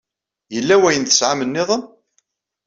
Yella wayen tesɛam nniḍen?